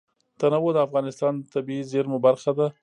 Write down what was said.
تنوع د افغانستان د طبیعي زیرمو برخه ده.